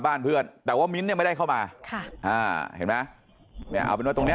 บ้านเพื่อนแต่ว่ามิ้นไม่ได้เข้ามาเห็นไหมเอาเป็นว่าตรงนี้